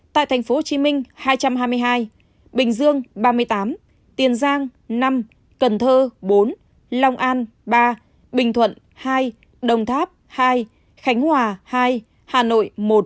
tại thành phố hồ chí minh hai trăm hai mươi hai bình dương ba mươi tám tiền giang năm cần thơ bốn lòng an ba bình thuận hai đồng tháp hai khánh hòa hai hà nội một